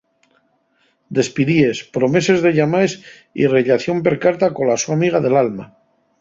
Despidíes, promeses de llamaes y rellación per carta cola so amiga del alma.